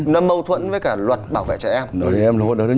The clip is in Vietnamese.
nó mâu thuẫn với cả luật bảo vệ trẻ em